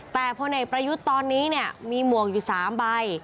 แต่พลเอกประยุทธ์ตอนนี้เนี่ยมีหมวกอยู่๓ใบ